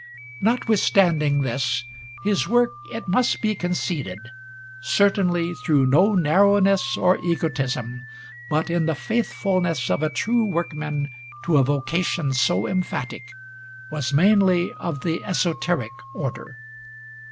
Notwithstanding this, his work, it must be conceded, certainly through no narrowness or egotism, but in the faithfulness of a true workman to a vocation so emphatic, was mainly of the esoteric order.